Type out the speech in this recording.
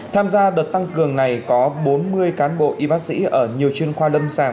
tham gia đợt tăng cường này có bốn mươi cán bộ y bác sĩ ở nhiều chuyên khoa lâm sàng